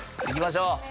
いきましょう。